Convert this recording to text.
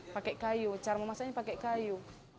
pakai kayu cara memasaknya pakai kayu